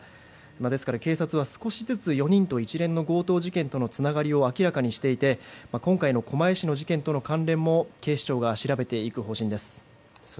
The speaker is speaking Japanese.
ですから警察は少しずつ４人と一連の強盗事件とのつながりを明らかにしていて今回の狛江市の事件との関連も警視庁が調べていく方針です。